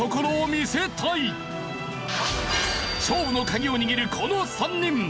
勝負の鍵を握るこの３人。